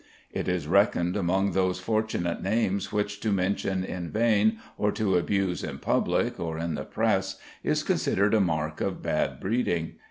It is reckoned among those fortunate names which to mention in vain or to abuse in public or in the Press is considered a mark of bad breeding.